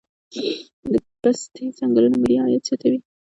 د پستې ځنګلونه ملي عاید زیاتوي